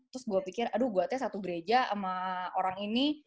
terus gue pikir aduh gue satu gereja sama orang ini